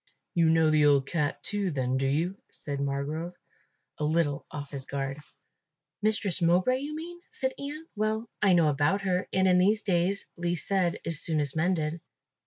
"You know the old cat too, then, do you?" said Margrove, a little off his guard. "Mistress Mowbray, you mean," said Ian. "Well, I know about her; and in these days least said is soonest mended."